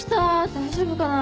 大丈夫かな？